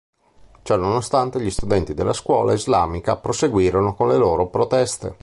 Ciononostante, gli studenti della scuola islamica proseguirono con le loro proteste.